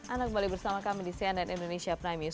anda kembali bersama kami di cnn indonesia prime news